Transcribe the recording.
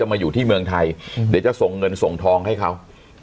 มาอยู่ที่เมืองไทยเดี๋ยวจะส่งเงินส่งทองให้เขา